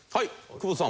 久保田さん